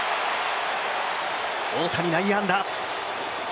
大谷、内野安打。